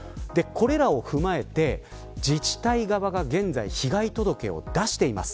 これらを踏まえて自治体側が現在被害届を出しています。